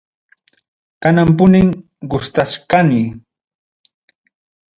Kanan punim gustachkani.